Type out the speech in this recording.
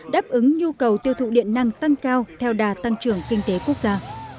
đáp ứng nhu cầu tiêu thụ điện năng tăng cao theo đà tăng trưởng kinh tế quốc gia